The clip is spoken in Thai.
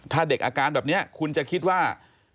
ถ้าเด็กอาการแบบนี้คุณจะคิดว่า